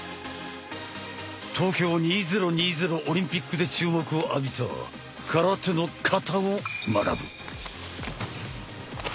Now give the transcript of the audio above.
東京２０２０オリンピックで注目を浴びた空手の「形」を学ぶ。